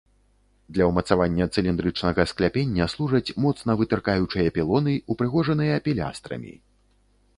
Для ўмацавання цыліндрычнага скляпення служаць моцна вытыркаючыя пілоны, упрыгожаныя пілястрамі.